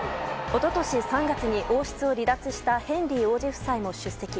一昨年３月に王室を離脱したヘンリー王子夫妻も出席。